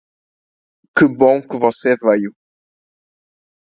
Que bom que você veio.